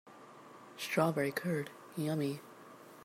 Strawberry curd, yummy!